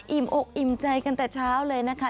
อกอิ่มใจกันแต่เช้าเลยนะคะ